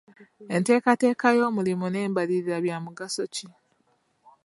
Enteekateeka y'omulimu n'embalirira bya mugaso ki?